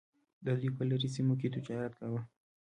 دوی په لرې سیمو کې تجارت کاوه